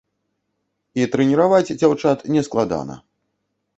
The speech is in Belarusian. І трэніраваць дзяўчат не складана.